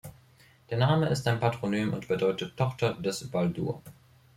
Der Name ist ein Patronym und bedeutet "Tochter des Baldur".